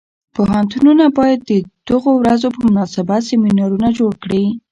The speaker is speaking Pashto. پوهنتونونه باید د دغو ورځو په مناسبت سیمینارونه جوړ کړي.